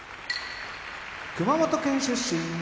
熊本県出身